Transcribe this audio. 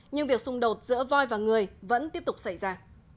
nhưng việc xung đột giữa voi và người vẫn tiếp tục xảy ra